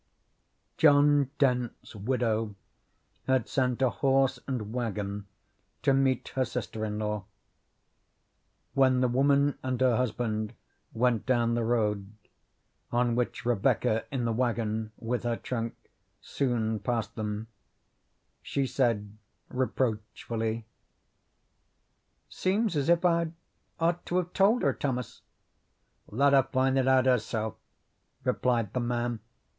John Dent's widow had sent a horse and wagon to meet her sister in law. When the woman and her husband went down the road, on which Rebecca in the wagon with her trunk soon passed them, she said reproachfully: "Seems as if I'd ought to have told her, Thomas." "Let her find it out herself," replied the man.